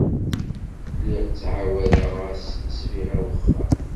Lliɣ ttɛawadeɣ-as ssbiɣa i wexxam.